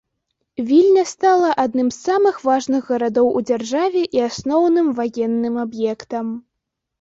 Вільня стала адным з самых важных гарадоў у дзяржаве і асноўным ваенным аб'ектам.